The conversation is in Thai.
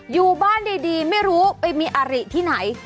อยู่บ้านดีไม่รู้ไปมีอาริที่ไหน